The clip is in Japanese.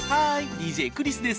ＤＪクリスです。